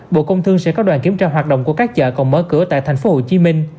bộ công thương sẽ có đoàn kiểm tra hoạt động của các chợ còn mở cửa tại tp hcm